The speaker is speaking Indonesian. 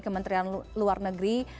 kementerian luar negeri